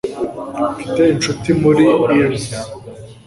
mfite inshuti muri irs